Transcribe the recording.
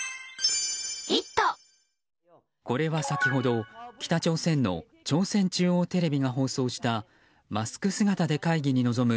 これは先ほど北朝鮮の朝鮮中央テレビが放送したマスク姿で会議に臨む